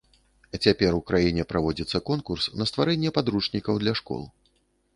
Цяпер у краіне праводзіцца конкурс на стварэнне падручнікаў для школ.